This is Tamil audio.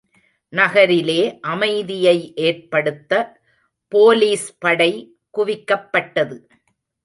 நகரிலே அமைதியை ஏற்படுத்த போலீஸ்படை குவிக்கப்பட்டது.